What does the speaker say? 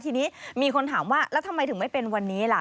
ทีนี้มีคนถามว่าแล้วทำไมถึงไม่เป็นวันนี้ล่ะ